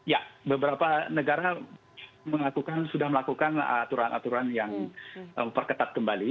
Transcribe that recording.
ya beberapa negara sudah melakukan aturan aturan yang perketat kembali